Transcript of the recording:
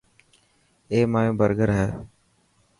اي مايو برگر هي.